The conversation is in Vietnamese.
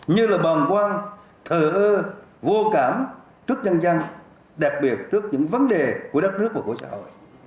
như là bòng quang thờ ơ vô cảm trước nhân dân đặc biệt trước những vấn đề của đất nước và của xã hội